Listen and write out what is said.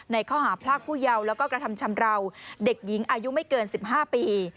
ในข้อหาพรากผู้เยาว์แล้วก็กระทำชำราวเด็กหญิงอายุไม่เกิน๑๕ปี